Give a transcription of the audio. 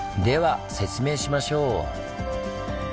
では説明しましょう！